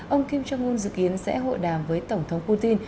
ông kim jong un dự kiến sẽ hội đàm với tổng thống putin